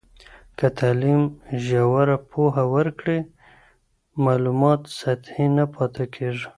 که تعلیم ژوره پوهه ورکړي، معلومات سطحي نه پاته کېږي.